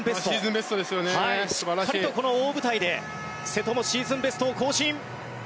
しっかりとこの大舞台で瀬戸もシーズンベストを更新。